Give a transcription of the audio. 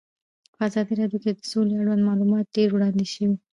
په ازادي راډیو کې د سوله اړوند معلومات ډېر وړاندې شوي.